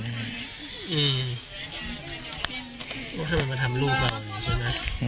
เพราะถ้ามันจะทำลูกแบบนี้ใช่ไหม